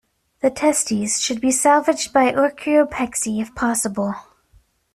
The testes should be salvaged by orchiopexy if possible.